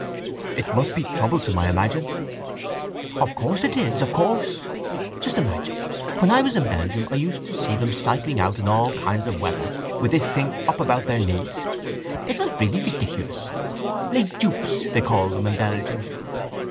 —It must be troublesome, I imagine. —Of course it is, of course. Just imagine when I was in Belgium I used to see them out cycling in all kinds of weather with this thing up about their knees! It was really ridiculous. Les jupes, they call them in Belgium.